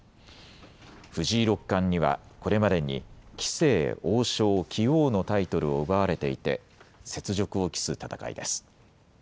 藤井六冠にはこれまでに棋聖、王将、棋王のタイトルを奪われていて雪辱を期す戦いです。